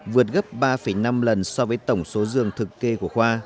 vượt gấp ba năm lần so với tổng số giường thực kê của khoa